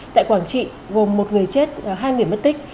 tại quảng trị gồm một người chết hai người mất tích